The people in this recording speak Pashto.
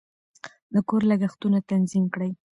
د کور لګښتونه تنظیم کړئ.